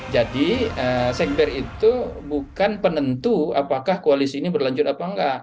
jadi sekber itu bukan penentu apakah koalisi ini berlanjut apa enggak